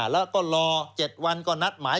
แล้วก็รอ๗วันก็นัดหมาย